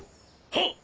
はっ！